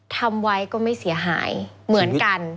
ทำไว้ก็ไม่เสียหายเหมือนกัน